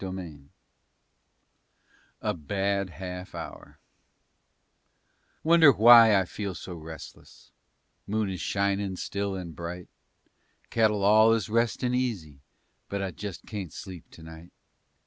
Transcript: _"] A BAD HALF HOUR Wonder why I feel so restless; Moon is shinin' still and bright, Cattle all is restin' easy, But I just kaint sleep tonight.